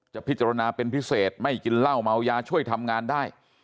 พิจารณาเป็นพิเศษไม่กินเหล้าเมายาช่วยทำงานได้